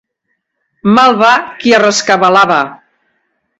Mal va qui a rescabalar va.